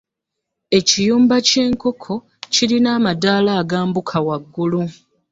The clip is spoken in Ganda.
Ekiyumba ky'enkoko kirina amadaala agambuka waggulu.